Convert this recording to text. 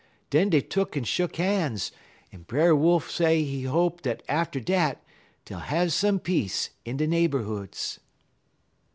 Den dey took'n shuck han's, en Brer Wolf say he hope dat atter dat dey'll have some peace in de neighborhoods."